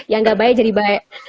yang gak baik jadi baik